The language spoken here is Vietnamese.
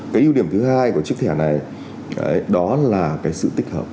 cái ưu điểm thứ hai của chiếc thẻ này đó là cái sự tích hợp